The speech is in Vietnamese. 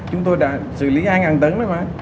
chúng tôi đã xử lý hai tấn đó mà